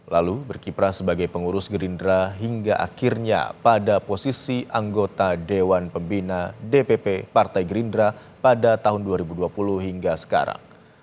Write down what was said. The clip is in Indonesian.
lalu berkiprah sebagai pengurus gerindra hingga akhirnya pada posisi anggota dewan pembina dpp partai gerindra pada tahun dua ribu dua puluh hingga sekarang